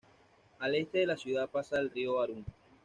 Al este de la ciudad pasa el Río Arun.